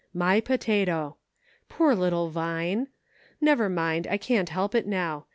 • My potato. Poor little Vine ! Never mind ; I can't help it now.